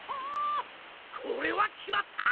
これはきまった！